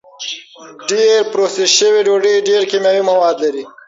ډېره پروسس شوې ډوډۍ ډېر کیمیاوي مواد لري.